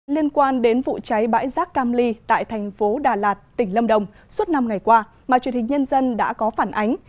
liên quan đến vụ cháy bãi rác cam ly tại thành phố đà lạt tỉnh lâm đồng suốt năm ngày qua mà truyền hình nhân dân đã có phản ánh